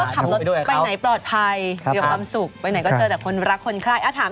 แล้วก็ขับรถไปไหนก็จะปลอดภัย